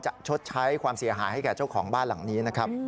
ชดใช้ความเสียหายให้แก่เจ้าของบ้านหลังนี้นะครับ